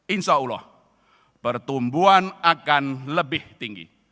insya allah pertumbuhan akan lebih tinggi